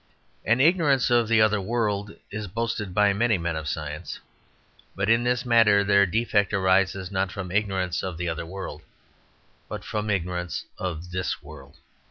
An ignorance of the other world is boasted by many men of science; but in this matter their defect arises, not from ignorance of the other world, but from ignorance of this world.